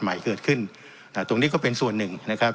ใหม่เกิดขึ้นตรงนี้ก็เป็นส่วนหนึ่งนะครับ